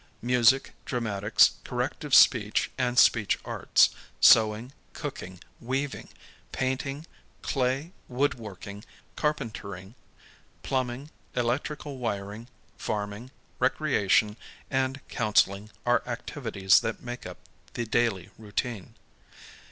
Music, dramatics, corrective speech and speech arts, sewing, cooking, weaving, painting, clay, wood working, carpentering, plumbing, electrical wiring, farming, recreation, and counseling are activities that make up the daily routine.